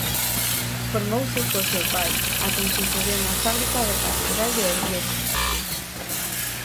Formouse co seu pai, a quen sucedeu na fábrica da catedral de Orvieto.